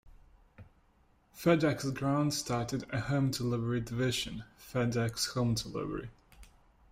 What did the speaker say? Fed Ex Ground started a home delivery division, Fed Ex Home Delivery.